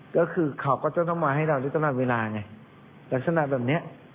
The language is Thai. ก็คือเขาก็จะต้องมาให้เราได้ตลอดเวลาไงลักษณะแบบเนี้ย